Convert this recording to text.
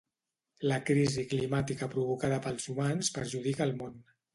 La crisi climàtica provocada pels humans perjudica el món.